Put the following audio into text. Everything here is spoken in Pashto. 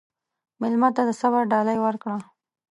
مېلمه ته د صبر ډالۍ ورکړه.